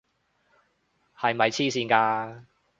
係咪癡線㗎？